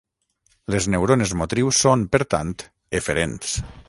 Les neurones motrius són, per tant, eferents.